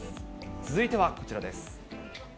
続いてはこちらです。